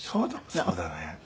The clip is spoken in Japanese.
そうだね。